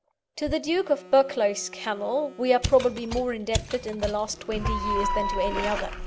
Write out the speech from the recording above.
To the Duke of Buccleuch's kennel we are probably more indebted in the last twenty years than to any other.